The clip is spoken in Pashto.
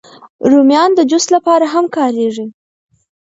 رومیان د جوس لپاره هم کارېږي